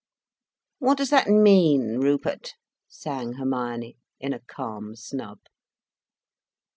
"What does that mean, Rupert?" sang Hermione, in a calm snub.